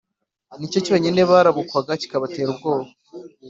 ni cyo cyonyine barabukwaga kikabatera ubwoba,